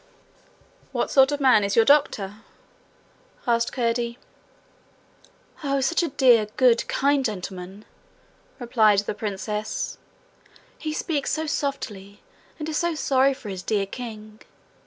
'What sort of man is your doctor?' asked Curdie. 'Oh, such a dear, good, kind gentleman!' replied the princess. 'He speaks so softly, and is so sorry for his dear king!